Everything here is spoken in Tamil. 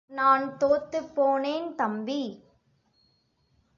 நான் தோத்துப்போனேன் தம்பி.